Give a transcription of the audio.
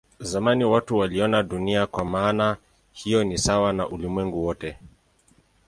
Zamani watu waliona Dunia kwa maana hiyo ni sawa na ulimwengu wote.